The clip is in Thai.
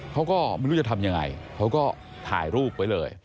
เขาก็ไม่รู้จะทำยังไงเขาก็ถ่ายรูปไว้เลย